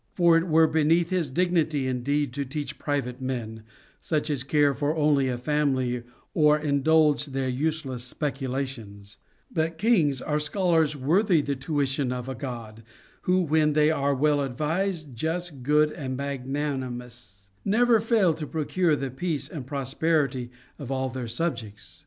For it were be neath his dignity indeed to teach private men, such as care only for a family or indulge their useless specula tions ; but kings are scholars worthy the tuition of a God, who, when they are well advised, just, good, and magnan imous, never fail to procure the peace and prosperity of all their subjects.